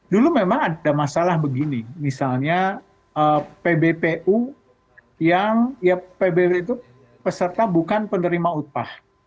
dulu memang ada masalah begini misalnya pbpu yang peserta bukan penerima utpah